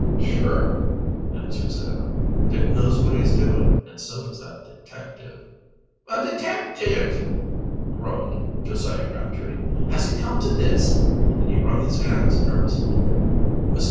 "Sure," answered Sam. "Dick knows what he's doing, and so does that detective." "A detective!" groaned Josiah Crabtree. "Has it come to this!" And he wrung his hands nervously. "Mr.